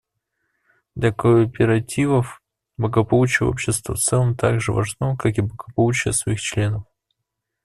Для кооперативов благополучие общества в целом так же важно, как и благополучие своих членов.